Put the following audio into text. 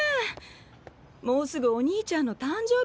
もうすぐお兄ちゃんの誕生日なんですよ。